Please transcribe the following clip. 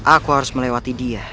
aku harus melewati dia